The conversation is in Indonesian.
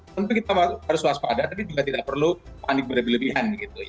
tentu kita harus waspada tapi juga tidak perlu panik berlebih lebihan